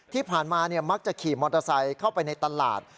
ที่ผ่านมามักจะขี่มอเตอร์ไซค์เข้าไปในตลาด